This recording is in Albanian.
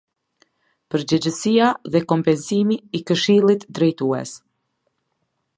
Përgjegjësia dhe kompensimi i Këshillit drejtues.